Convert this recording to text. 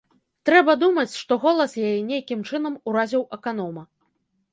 Трэба думаць, што голас яе нейкім чынам уразіў аканома.